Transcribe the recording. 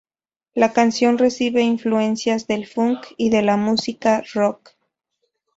La canción recibe influencias del "funk" y de la música "rock".